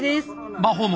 魔法も？